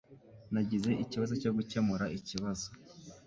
Nagize ikibazo cyo gukemura ikibazo.